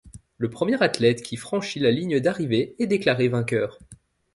Le premier athlète qui franchit la ligne d'arrivée est déclaré vainqueur.